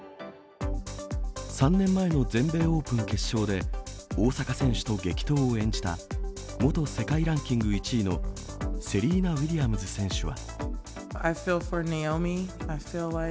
３年前の全米オープン決勝で、大坂選手と激闘を演じた、元世界ランキング１位のセリーナ・ウィリアムズ選手は。